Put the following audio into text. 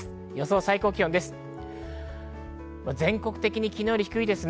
予想最高気温です。